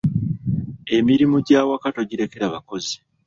Emirimu gy’awaka togirekera bakozi.